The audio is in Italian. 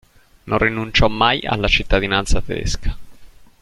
Non rinunciò mai alla cittadinanza tedesca.